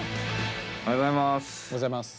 おはようございます。